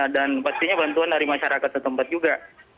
dan pastinya bantuan dari masyarakat setempat juga